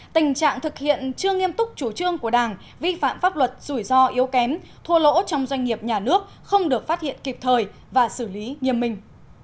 tình trạng thực hiện chưa nghiêm túc chủ trương của đảng vi phạm pháp luật rủi ro yếu kém thua lỗ trong doanh nghiệp nhà nước không được phát hiện kịp thời và xử lý nghiêm minh